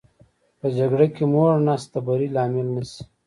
په جګړه کې که موړ نس د بري لامل نه شي.